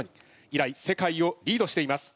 以来世界をリードしています。